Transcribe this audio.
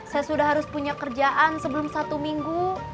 saya sudah harus punya kerjaan sebelum satu minggu